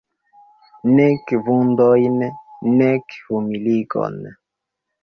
Nek vundojn, nek humiligon.